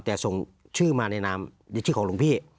แต่ส่งชื่อมาในนามชื่อของหลวงพี่